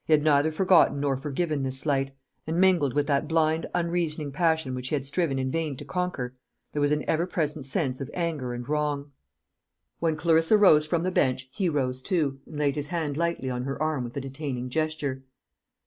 He had neither forgotten nor forgiven this slight; and mingled with that blind unreasoning passion, which he had striven in vain to conquer, there was an ever present sense of anger and wrong. When Clarissa rose from the bench, he rose too, and laid his hand lightly on her arm with a detaining gesture.